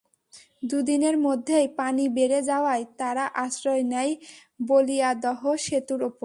দুদিনের মধ্যেই পানি বেড়ে যাওয়ায় তারা আশ্রয় নেয় বলিয়াদহ সেতুর ওপর।